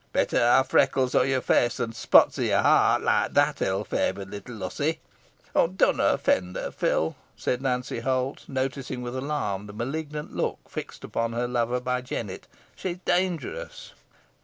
Better ha' freckles o' your feace than spots o' your heart, loike that ill favort little hussy." "Dunna offend her, Phil," said Nancy Holt, noticing with alarm the malignant look fixed upon her lover by Jennet. "She's dawngerous."